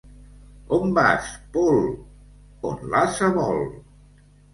On vas, Pol? On l'ase vol.